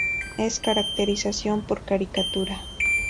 Es caracterización por caricatura".